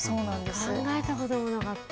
考えた事もなかった。